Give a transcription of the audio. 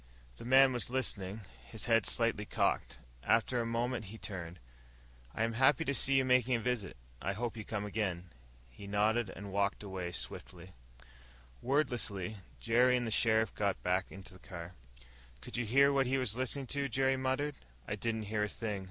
The man was listening, his head slightly cocked. After a moment he turned. "I am happy to see you making a visit. I hope you come again." He nodded and walked swiftly away. Wordlessly, Jerry and the sheriff got back in the car. "Could you hear what he was listening to?" Jerry muttered. "I didn't hear a thing."